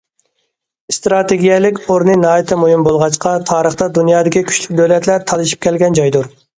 ئىستراتېگىيەلىك ئورنى ناھايىتى مۇھىم بولغاچقا، تارىختا دۇنيادىكى كۈچلۈك دۆلەتلەر تالىشىپ كەلگەن جايدۇر.